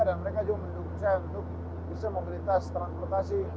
dan mereka juga mendukung saya untuk bisa mobilitas transportasi